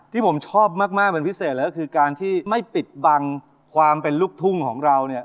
ที่ผมชอบมากเป็นพิเศษเลยก็คือการที่ไม่ปิดบังความเป็นลูกทุ่งของเราเนี่ย